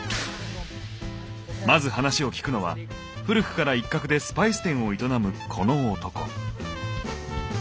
まず話を聞くのは古くから一角でスパイス店を営むこの男。